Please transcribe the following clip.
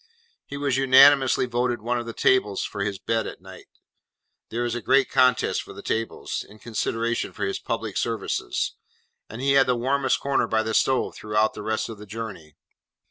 He was unanimously voted one of the tables for his bed at night—there is a great contest for the tables—in consideration for his public services: and he had the warmest corner by the stove throughout the rest of the journey.